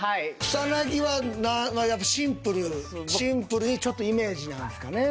草薙はやっぱシンプルにちょっとイメージなんですかね。